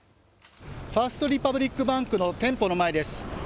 ファースト・リパブリック・バンクの店舗の前です。